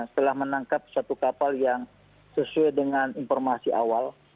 telah menangkap satu kapal yang sesuai dengan informasi awal